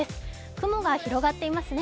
雲が広がっていますね。